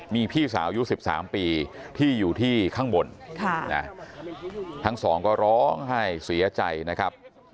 มีพี่สาวยุค๑๓ปีที่อยู่ที่ข้างบนทั้งสองก็ร้องไห้เสียใจนะครับ